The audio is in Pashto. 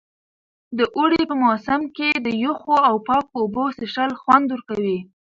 د اوړي په موسم کې د یخو او پاکو اوبو څښل خوند ورکوي.